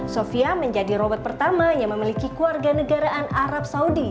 sofia menjadi robot pertama yang memiliki keluarga negaraan arab saudi